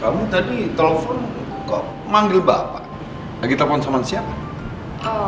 kamu tadi telepon kok manggil bapak lagi telepon sama siapa